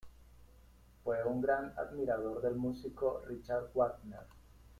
Fue un gran admirador del músico Richard Wagner.